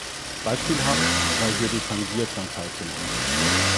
Beispielhaft sei hier die Tangier-Krankheit genannt.